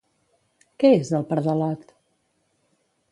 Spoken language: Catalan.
Què és el Pardalot?